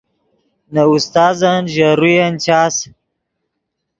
نے استازن ژے روین چاس